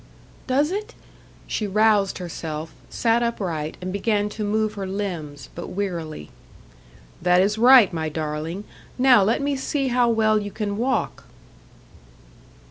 "Does it?" She roused herself, sat upright, and began to move her limbs, but wearily. "That is right, my darling. Now let me see how well you can walk."